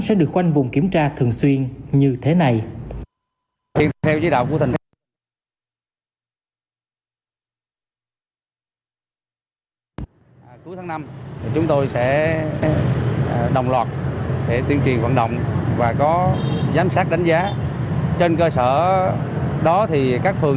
sẽ được khoanh vùng kiểm tra thường xuyên như thế này